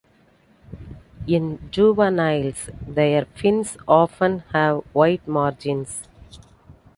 In juveniles, their fins often have white margins.